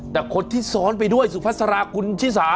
แต่คนที่ซ้อนไปด้วยสุภาษาราคุณชิสา